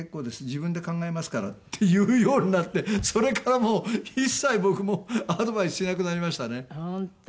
「自分で考えますから」って言うようになってそれからもう一切僕もアドバイスしなくなりましたね。